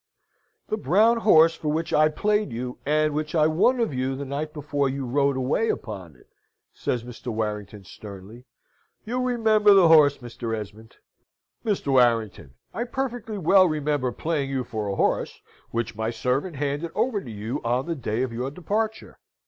"The brown horse for which I played you, and which I won of you the night before you rode away upon it," says Mr. Warrington, sternly. "You remember the horse, Mr. Esmond." "Mr. Warrington, I perfectly well remember playing you for a horse, which my servant handed over to you on the day of your departure."